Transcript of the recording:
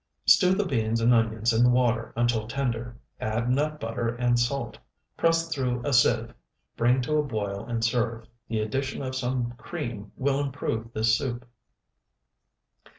Stew the beans and onions in the water until tender; add nut butter and salt; press through a sieve, bring to a boil, and serve. The addition of some cream will improve this soup.